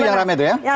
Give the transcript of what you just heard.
itu yang rame itu ya